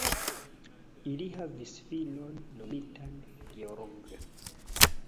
Ili havis filon nomitan Gheorghe.